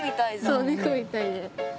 そう猫みたいで。